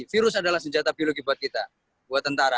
virus adalah senjata biologi buat kita buat tentara